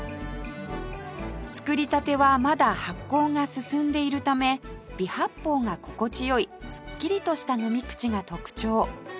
作り立てはまだ発酵が進んでいるため微発泡が心地良いすっきりとした飲み口が特徴